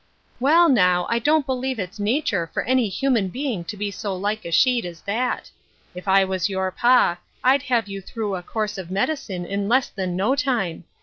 "Well, now, I don't believe it's nature for any human being to be so like a sheet as that. If I was your pa, I'd have you through a course of medicine in less than no time.